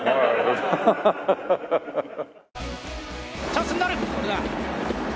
チャンスになる。